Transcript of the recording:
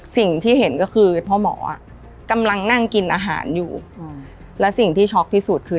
สิ่งที่เห็นก็คือพ่อหมอกำลังนั่งกินอาหารอยู่และสิ่งที่ช็อกที่สุดคือ